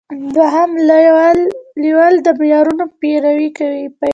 دوهم لیول د معیارونو پیروي کوي.